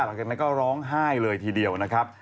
หลังจากนั้นก็ร้องไห้เลยทีเดียวนะครับ